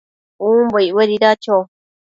umbo icbuedida cho?